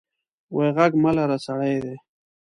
وې غږ مه لره سړي دي.